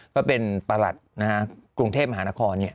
ก็เป็นประหลัดนะฮะกรุงเทพมหานคร